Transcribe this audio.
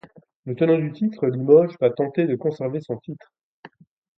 Le tenant du titre, Limoges, va tenter de conserver son titre.